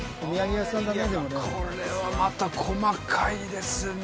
これはまた細かいですね